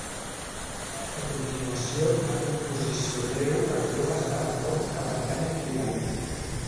A continuació una composició breu que tothom està d'acord que pertany al trobador.